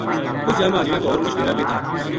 اس جا ما اجڑیاں کا ہور مُچ ڈیرا بے تھا